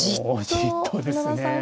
じっとですね。